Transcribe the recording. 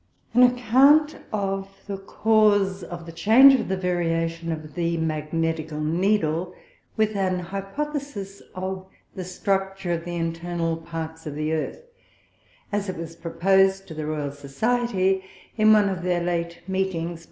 _An Account of the Cause of the Change of the Variation of the Magnetical Needle, with an Hypothesis of the Structure of the Internal Parts of the Earth; as it was proposed to the Royal Society in one of their late Meetings.